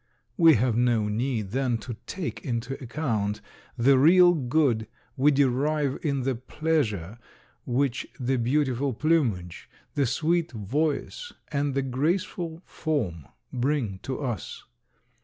We have no need, then, to take into account the real good we derive in the pleasure which the beautiful plumage, the sweet voice and the graceful form bring to us.